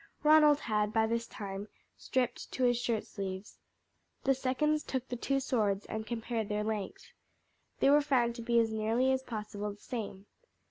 Ronald had by this time stripped to his shirt sleeves. The seconds took the two swords and compared their length. They were found to be as nearly as possible the same.